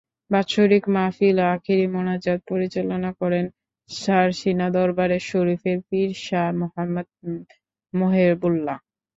বাৎসরিক মাহফিলে আখেরি মোনাজাত পরিচালনা করেন ছারছিনা দরবার শরিফের পীর শাহ মোহাম্মদ মোহেবুল্লাহ।